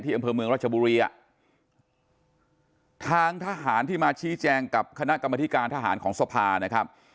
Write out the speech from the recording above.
อำเภอเมืองรัชบุรีอ่ะทางทหารที่มาชี้แจงกับคณะกรรมธิการทหารของสภานะครับ